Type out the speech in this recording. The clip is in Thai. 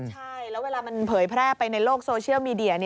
ใช่แล้วเวลามันเผยแพร่ไปในโลกโซเชียลมีเดีย